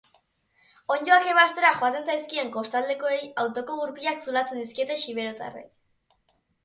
Onddoak ebastera joaten zaizkien kostaldekoei autoko gurpilak zulatzen dizkiete xiberotarrek.